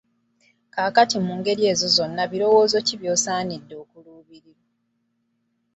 Kaakati mu ngeri ezo zonna birowoozo ki by'osaanidde okuluubirira?